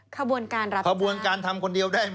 ขบวนการรับทำขบวนการทำคนเดียวได้ไหม